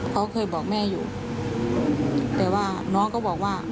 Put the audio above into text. เขาเคยบอกแม่อยู่แต่ว่าน้องก็บอกว่า